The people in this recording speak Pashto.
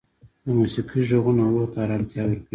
د موسیقۍ ږغونه روح ته ارامتیا ورکوي.